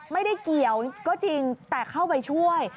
ไม่ได้เกี่ยวก็จริงแต่เข้าไปช่วย